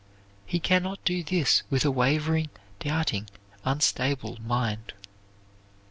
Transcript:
He can not do this with a wavering, doubting, unstable mind.